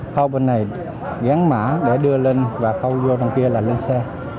khâu bên này gắn mã để đưa lên và khâu vô trong kia là lên xe